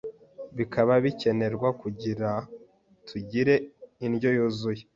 bikaba bikenerwa kugira tugire indyo yuzuye